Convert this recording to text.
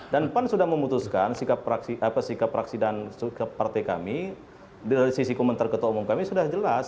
dan pan sudah memutuskan sikap praksi dan partai kami dari sisi komentar ketua umum kami sudah jelas